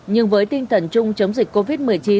nhưng với tinh thần chung chống dịch covid một mươi chín